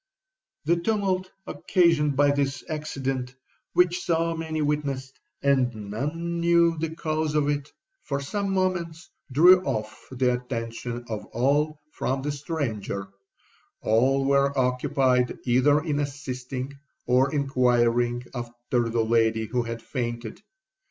'The tumult occasioned by this accident, which so many witnessed, and none knew the cause of, for some moments drew off the attention of all from the stranger—all were occupied either in assisting or inquiring after the lady who had fainted.